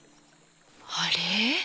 あれ？